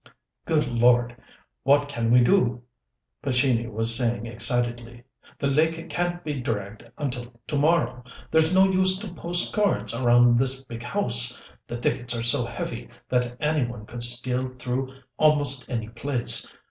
"Good Lord, what can we do...?" Pescini was saying excitedly. "The lake can't be dragged until to morrow. There's no use to post guards around this big house the thickets are so heavy that any one could steal through almost any place.